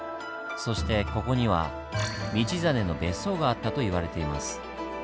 そしてここには道真の別荘があったと言われています。